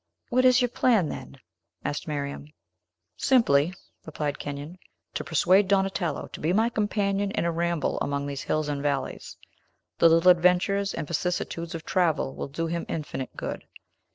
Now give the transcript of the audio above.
"What is your plan, then?" asked Miriam. "Simply," replied Kenyon, "to persuade Donatello to be my companion in a ramble among these hills and valleys. The little adventures and vicissitudes of travel will do him infinite good.